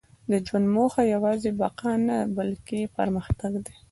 • د ژوند موخه یوازې بقا نه، بلکې پرمختګ دی.